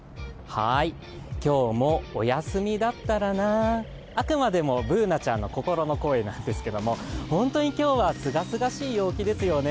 今日もお休みだったらな、あくまでもＢｏｏｎａちゃんの心の声なんですけれども、本当に今日はすがすがしい陽気ですね。